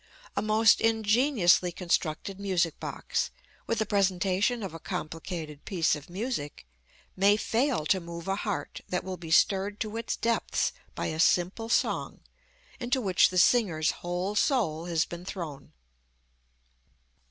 A most ingeniously constructed music box, with the presentation of a complicated piece of music, may fail to move a heart that will be stirred to its depths by a simple song, into which the singer's whole soul has been thrown.